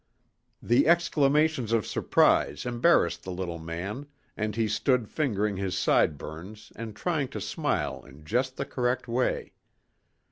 The exclamations of surprise embarrassed the little man and he stood fingering his sideburns and trying to smile in just the correct way.